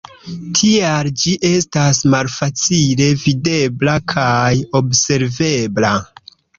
Tial ĝi estas malfacile videbla kaj observebla.